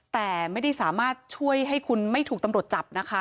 แต่ไม่ได้สามารถช่วยให้คุณไม่ถูกตำรวจจับนะคะ